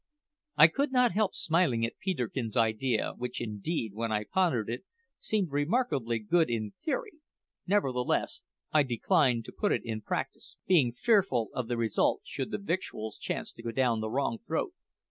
I could not help smiling at Peterkin's idea, which indeed, when I pondered it, seemed remarkably good in theory; nevertheless, I declined to put it in practice, being fearful of the result should the victuals chance to go down the wrong throat.